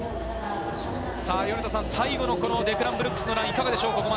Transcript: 米田さん、最後のデクラン・ブルックスのラインいかがですか？